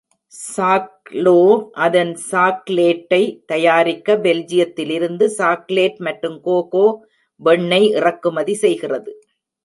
சாக்லோவ் அதன் சாக்லேட்டை தயாரிக்க பெல்ஜியத்திலிருந்து சாக்லேட் மற்றும் கோகோ வெண்ணெய் இறக்குமதி செய்கிறது.